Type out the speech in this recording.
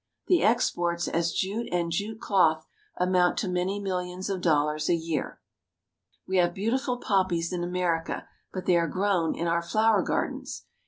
The exports as jute and jute cloth amount to many millions of dollars a year. We have beautiful poppies in America, but they are grown in our flower gardens.